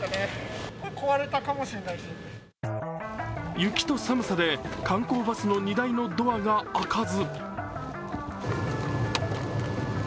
雪と寒さで観光バスの荷台のドアが開かず。